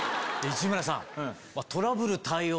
市村さん。